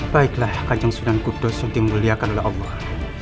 baiklah kanjeng sunan kudus yang dimuliakan oleh allah